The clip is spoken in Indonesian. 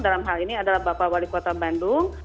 dalam hal ini adalah bapak wali kota bandung